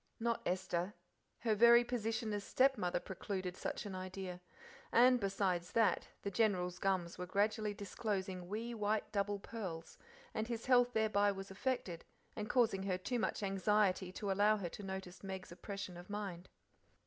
Not Esther: her very position as stepmother precluded such an idea, and, besides that, the General's gums were gradually disclosing wee white double pearls, and his health thereby was affected, and causing her too much anxiety to allow her, to notice Meg's oppression of mind.